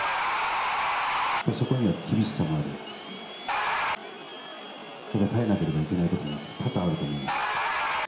そこには厳しさもあり耐えなければいけないことも多々あると思います。